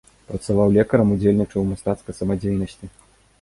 Працаваў лекарам, удзельнічаў у мастацкай самадзейнасці.